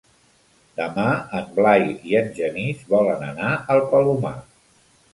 Demà en Blai i en Genís volen anar al Palomar.